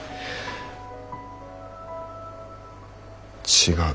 違う。